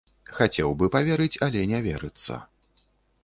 Хацеў бы паверыць, але не верыцца.